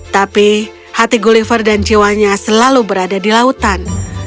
tapi hati gulliver dan jiwanya selalu berada di lautan